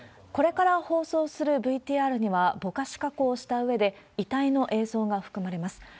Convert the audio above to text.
これから放送するＶＴＲには、ぼかし加工をしたうえで、遺体の映像が含まれます。